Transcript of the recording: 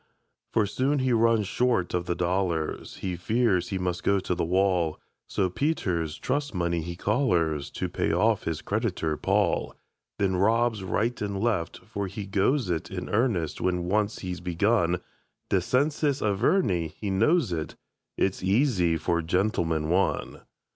For soon he runs short of the dollars, He fears he must go to the wall; So Peter's trust money he collars To pay off his creditor, Paul; Then robs right and left for he goes it In earnest when once he's begun. Descensus Averni he knows it; It's easy for "Gentleman, One".